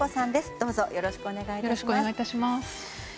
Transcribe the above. どうぞよろしくお願い致します。